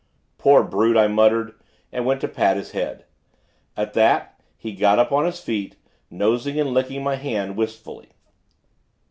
'Poor brute!' I muttered, and bent to pat his head. At that, he got upon his feet, nosing and licking my hand, wistfully.